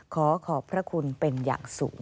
ขอขอบพระคุณเป็นอย่างสูง